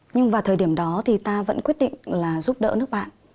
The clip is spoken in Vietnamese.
nhưng vào thời điểm đó thì ta vẫn quyết định là giúp đỡ nước bạn